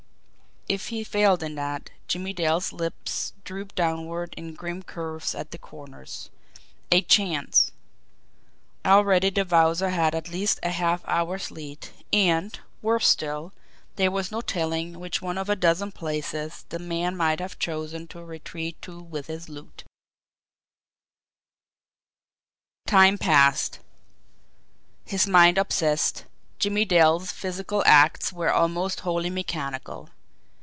It he failed in that Jimmie Dale's lips drooped downward in grim curves at the corners. A chance! Already the Wowzer had at least a half hour's lead, and, worse still, there was no telling which one of a dozen places the man might have chosen to retreat to with his loot. Time passed. His mind obsessed, Jimmie Dale's physical acts were almost wholly mechanical.